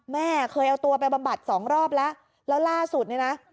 แม่เคยเอาตัวไปบำบัด๒รอบแล้วแล้วล่าสุด